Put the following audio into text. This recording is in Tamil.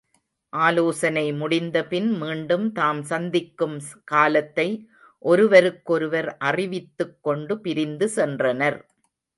ஆலோசனை முடிந்தபின் மீண்டும் தாம் சந்திக்கும் காலத்தை ஒருவருக்கொருவர் அறிவித்துக் கொண்டு பிரிந்து சென்றனர்.